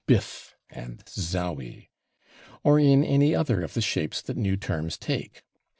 /biff/ and /zowie/; or in any other of the shapes that new terms take.